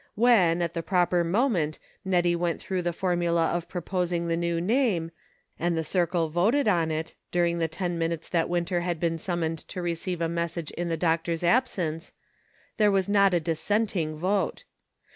When, at the proper moment, Nettie went through the formula of proposing the new name, and the circle voted on it, during the ten minutes that Winter had been summoned to re ceive a message in the doctor's absence, there was not a dissenting vote.